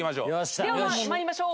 では参りましょう。